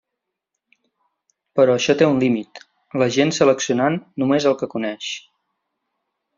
Però això té un límit; la gent seleccionant només el que coneix.